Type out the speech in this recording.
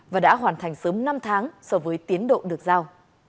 và đã hoàn thành sớm năm tháng so với tiến độ được giao